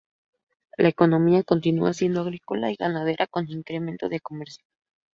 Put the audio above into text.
La economía continúa siendo agrícola y ganadera, con incremento del comercio.